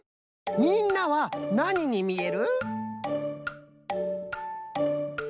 みんなはなににみえる？